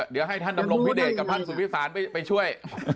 เดี๋ยวให้ท่านลงวิเตศกับท่านสุพิษานไปช่วย